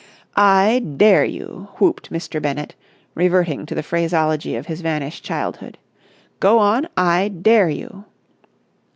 "I dare you!" whooped Mr. Bennett, reverting to the phraseology of his vanished childhood. "Go on! I dare you!"